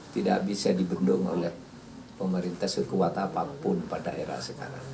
tidak bisa dibendung oleh pemerintah sekuat apapun pada era sekarang